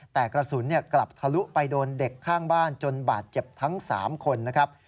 แต่กระสุนกลับทะลุไปโดนเด็กข้างบ้านจนบาดเจ็บทั้ง๓คนนะครับ